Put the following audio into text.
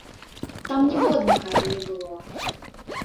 Там ніводнага і не было!